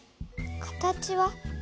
形は？